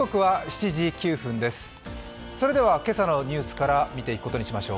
今朝のニュースから見ていくことにしましょう。